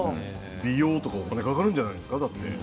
美容とかお金かかるんじゃないですか。